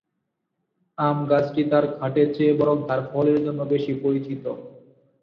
আম গাছটি তার কাঠের চেয়ে বরং তার ফলের জন্য বেশি পরিচিত।